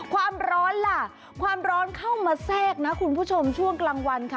ความร้อนล่ะความร้อนเข้ามาแทรกนะคุณผู้ชมช่วงกลางวันค่ะ